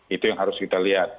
itu yang harus kita lihat